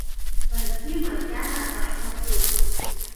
Баргьы макьана баҳҭахуп!